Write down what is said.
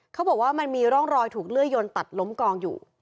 เขาบอกว่ามันมีร่องรอยถูกเลื่อยยนตัดล้มกองอยู่